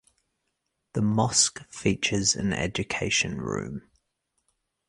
The mosque features an education room.